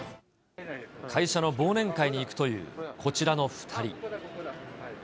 会社の忘年会に行くというこちらの２人。